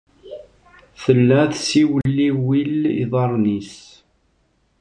Tella tessewliwil iḍarren-nnes.